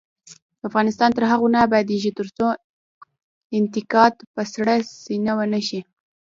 افغانستان تر هغو نه ابادیږي، ترڅو انتقاد په سړه سینه ونه منو.